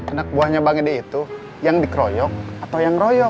anak buahnya bang edi itu yang dikeroyok atau yang royong